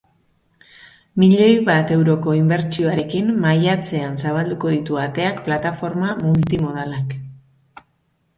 Milioi bat euroko inbertsioarekin, maiatzean zabalduko ditu ateak plataforma multimodalak.